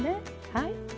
はい。